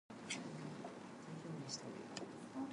This is our land.